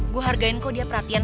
gue hargain kok dia perhatian